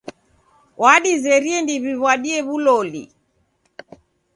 W'adizerie ndew'iw'adie w'uloli.